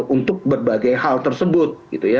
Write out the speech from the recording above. untuk berbagai hal tersebut